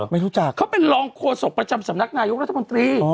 เขามากลงถามที่คณิตประจำสำนักนายกรัฐบันตรี